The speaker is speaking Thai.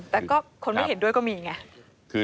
แต่ก็คนไม่เห็นด้วยก็มีไง